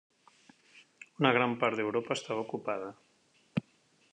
Una gran part d'Europa estava ocupada.